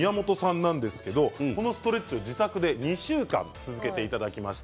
宮本さんはこのストレッチを自宅で２週間、続けてもらいました。